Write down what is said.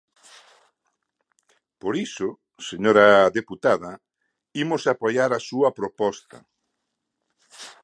Por iso, señora deputada, imos apoiar a súa proposta.